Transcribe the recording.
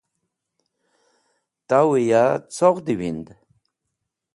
Tawẽ ya coghdi wind.